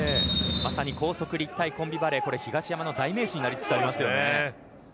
まさに高速立体コンビバレー東山の代名詞になりつつあります。